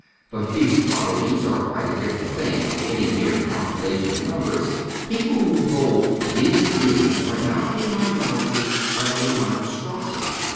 But these prodigies are quite a different thing from any mere calculation of numbers. People who hold these views are not a minority, but a mon strosity.